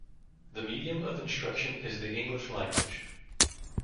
The medium of instruction is the English language.